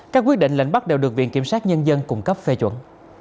các quyết định lệnh bắt đều được viện kiểm sát nhân dân cung cấp phê chuẩn